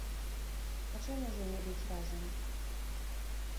А чаму ж ім не быць разам?